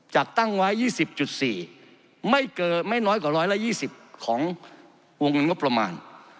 จากตั้งไว้๒๐๔ไม่เกิดไม่น้อยกว่า๑๒๐ของวงเงินก็ประมาณ